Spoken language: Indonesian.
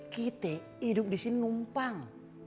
kita hidup di sini numpang